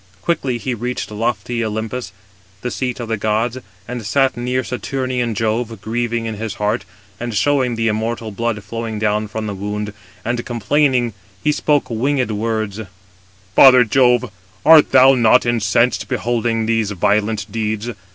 Quickly he reached lofty Olympus, the seat of the gods, and sat near Saturnian Jove, grieving in his heart, and showed the immortal blood flowing down from the wound, and complaining, he spoke winged words: "Father Jove, art thou not incensed beholding these violent deeds?